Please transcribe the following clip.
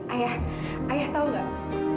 ayah ayah tau gak